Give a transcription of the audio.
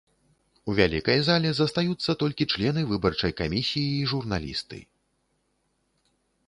У вялікай зале застаюцца толькі члены выбарчай камісіі і журналісты.